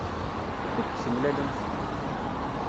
Wukud d-temlalemt?